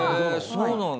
そうなんだ。